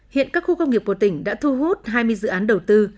hiện các khu công nghiệp của tỉnh đã thu hút hai mươi dự án đầu tư